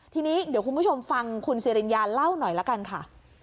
ทีนี้เดี๋ยวคุณผู้ชมฟังคุณสิริญญาเล่าหน่อยละกันค่ะ